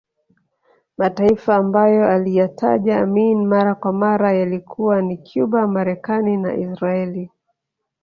Mataifa ambayo aliyataja Amin mara kwa mara yalikuwa ni Cuba Marekani na Israeli